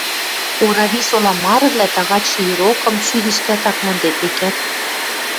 Орависола марывлӓ тагачшы ирокым шӱдӹ иштӓт ак мондеп, векӓт.